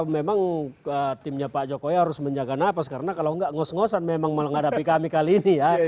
memang timnya pak jokowi harus menjaga nafas karena kalau nggak ngos ngosan memang menghadapi kami kali ini ya